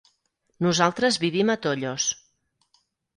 Nosaltres vivim a Tollos.